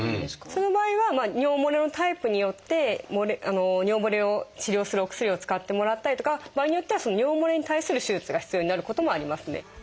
その場合はまあ尿もれのタイプによって尿もれを治療するお薬を使ってもらったりとか場合によっては尿もれに対する手術が必要になることもありますね。